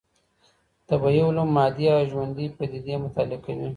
طبيعي علوم مادي او ژوندۍ پديدې مطالعه کوي.